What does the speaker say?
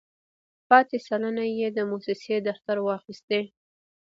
پاتې سلنه یې د موسسې دفتر واخیستې.